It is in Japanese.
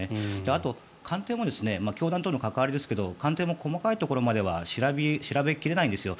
あと官邸も教団との関わりですが官邸も細かいところまでは調べ切れないんですよ。